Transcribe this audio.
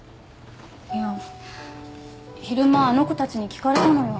いや昼間あの子たちに聞かれたのよ。